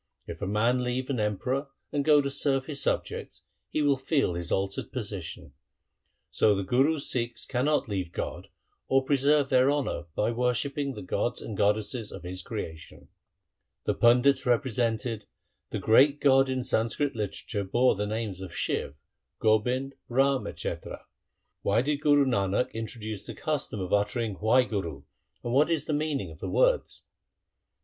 If a man leave an emperor and go to serve his subjects, he will feel his altered position. So the Guru's Sikhs can not leave God or preserve their honour by wor shipping the gods and goddesses of His creation.' 1 The pandits represented, ' The great God in Sanskrit literature bore the names Shiv, Gobind, Ram, &c. Why did Guru Nanak introduce the custom of uttering Wahguru and what is the meaning of the words